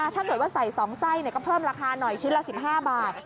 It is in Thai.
ถ้าเกิดว่าใส่๒ไส้ก็เพิ่มราคาหน่อยชิ้นละ๑๕บาท